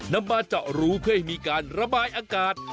นำมาเจาะรูเพื่อให้มีการระบายอากาศ